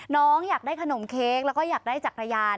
น้องอยากได้ขนมเค้กแล้วก็อยากได้จักรยาน